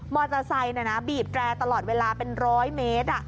มอเตอร์ไซค์น่ะบีบแกระตลอดเวลาเป็นร้อยเมตร